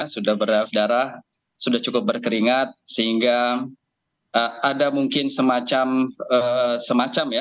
sudah berdarah darah sudah cukup berkeringat sehingga ada mungkin semacam ya